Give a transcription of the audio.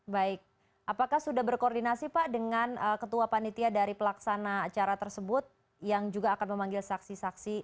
baik apakah sudah berkoordinasi pak dengan ketua panitia dari pelaksana acara tersebut yang juga akan memanggil saksi saksi